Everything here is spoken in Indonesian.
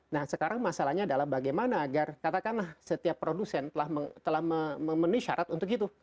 nah sekarang masalahnya adalah bagaimana agar katakanlah setiap produsen telah memenuhi syarat untuk itu